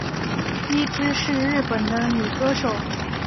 伊织是日本的女歌手。